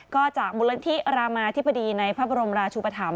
ก็จากมูลนิธิรามาธิบดีในพระบรมราชุปธรรม